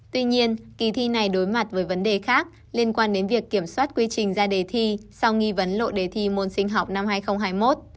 tuy nhiên kỳ thi này đối mặt với vấn đề khác liên quan đến việc kiểm soát quy trình ra đề thi sau nghi vấn lộ đề thi môn sinh học năm hai nghìn hai mươi một